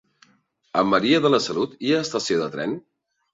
A Maria de la Salut hi ha estació de tren?